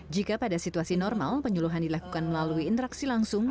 jika pada situasi normal penyuluhan dilakukan melalui interaksi langsung